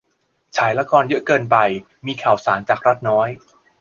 ฉายละครเยอะเกินไป มีข่าวสารจากรัฐน้อย